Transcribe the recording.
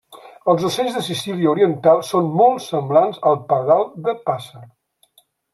Els ocells de Sicília oriental són molt semblants al Pardal de passa.